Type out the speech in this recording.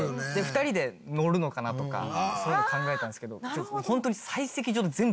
２人で乗るのかなとかそういうの考えたんですけどホントに。